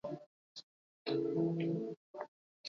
Petrova ir ciems Alūksnes novada Liepnas pagastā.